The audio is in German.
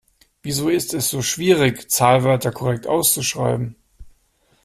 Wieso ist es so schwierig, Zahlwörter korrekt auszuschreiben?